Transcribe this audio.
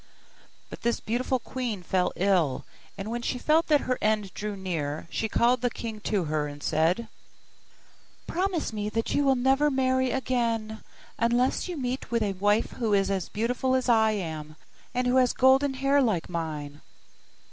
But this beautiful queen fell ill, and when she felt that her end drew near she called the king to her and said, 'Promise me that you will never marry again, unless you meet with a wife who is as beautiful as I am, and who has golden hair like mine.